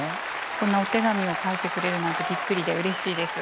こんなお手紙を書いてくれるなんてびっくりでうれしいです。